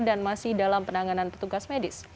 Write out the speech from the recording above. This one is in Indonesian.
dan masih dalam penanganan petugas medis